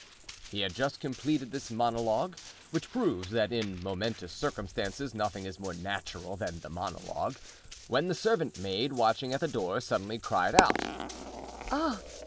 He had just completed this monologue—which proves that in momentous circumstances nothing is more natural than the monologue—when the servant maid, watching at the door, suddenly cried out: "Ah!